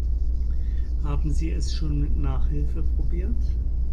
Haben Sie es schon mit Nachhilfe probiert?